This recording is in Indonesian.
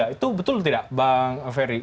itu betul tidak bang ferry